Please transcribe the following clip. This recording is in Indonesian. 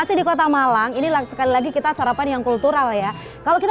sekarang itu saya bikin captain